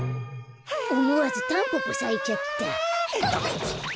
おもわずタンポポさいちゃった。